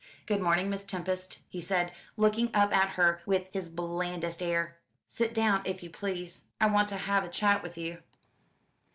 "Good morning, Miss Tempest," he said, looking up at her with his blandest air; "sit down, if you please. I want to have a chat with you."